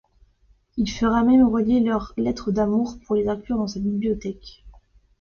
Il fera même relier leurs lettres d'amour, pour les inclure dans sa bibliothèque.